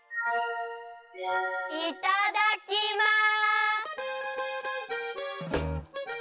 いただきます！